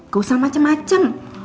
gak usah macem macem